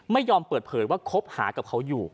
ไม่ยอมเปิดเผยว่าคบหากับเขาอยู่